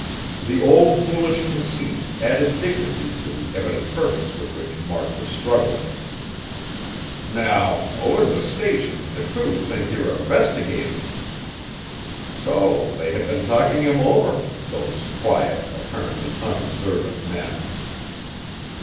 The old foolish conceit added dignity to the evident purpose with which Mark was struggling. "Now, over t' the Station the crew think you're a 'vestigator!" So they had been talking him over, those quiet, apparently unobservant men!